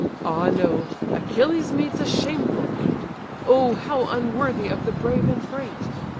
Ah no! Achilles meets a shameful fate, Oh how unworthy of the brave and great!